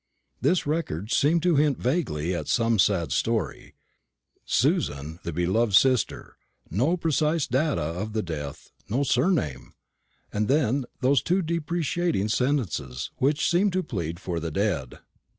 This record seemed to hint vaguely at some sad story: "Susan, the beloved sister;" no precise data of the death no surname! And then those two deprecating sentences, which seemed to plead for the dead.